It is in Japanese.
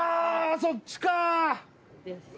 そっちか！